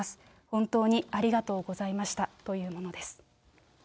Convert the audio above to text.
本当にありがとうございましたというものです。